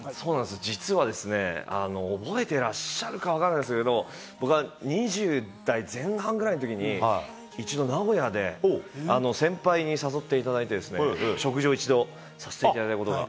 実はですね、覚えてらっしゃるか分からないですけれども、僕２０代前半ぐらいのときに、一度名古屋で先輩に誘っていただいて、食事を１度させていただいたことが。